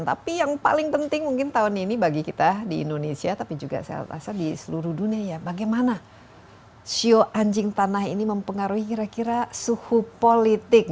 tapi yang paling penting mungkin tahun ini bagi kita di indonesia tapi juga saya rasa di seluruh dunia ya bagaimana sio anjing tanah ini mempengaruhi kira kira suhu politik